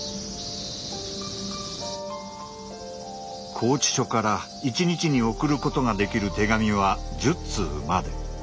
拘置所から一日に送ることができる手紙は１０通まで。